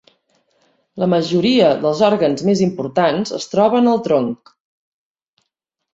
La majoria dels òrgans més importants es troben al tronc.